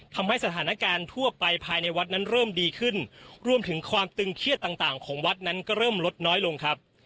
ทำให้สถานการณ์ทั่วไปภายในวัดนั้นเริ่มดีขึ้นรวมถึงความตึงเครียดต่างต่างของวัดนั้นก็เริ่มลดน้อยลงครับ